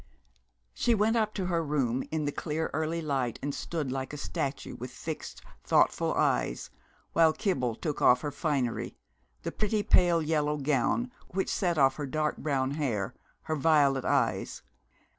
She went up to her room in the clear early light, and stood like a statue, with fixed thoughtful eyes, while Kibble took off her finery, the pretty pale yellow gown which set off her dark brown hair, her violet eyes.